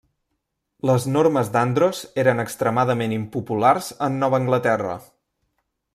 Les normes d'Andros eren extremadament impopulars en Nova Anglaterra.